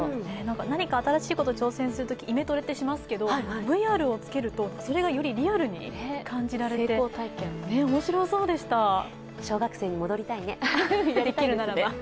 何か新しいことに挑戦するとき、イメトレしますけど、ＶＲをつけると、それがよりリアルに感じられて小学生に戻りたいね。